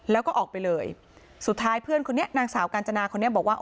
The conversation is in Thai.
แล้วก็ออกไปเลยสุดท้ายเพื่อนคนนี้นางสาวกาญจนาคนนี้บอกว่า